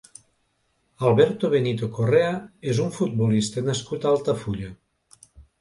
Alberto Benito Correa és un futbolista nascut a Altafulla.